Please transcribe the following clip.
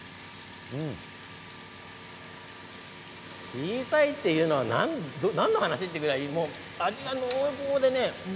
小さいというのは何の話？というぐらい味が濃厚でね。